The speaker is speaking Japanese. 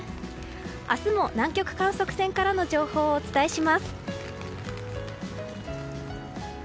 明日も南極観測船からの情報をお伝えします。